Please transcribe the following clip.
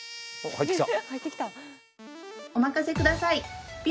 入ってきた。